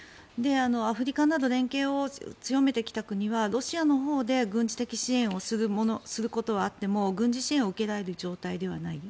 アフリカなど連携を強めてきた国はロシアのほうで軍事的支援をすることはあっても軍事支援を受けられる状態ではない。